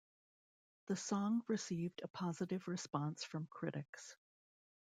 The song received a positive response from critics.